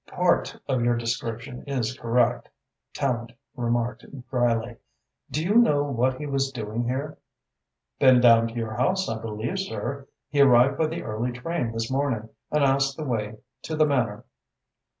"Part of your description is correct," Tallente remarked drily. "Do you know what he was doing here?" "Been down to your house, I believe, sir. He arrived by the early train this morning and asked the way to the Manor."